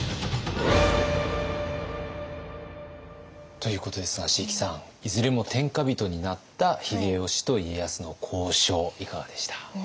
ということですが椎木さんいずれも天下人になった秀吉と家康の交渉いかがでした？